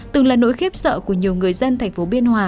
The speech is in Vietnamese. từng là nỗi khiếp sợ của nhiều người dân thành phố biên hòa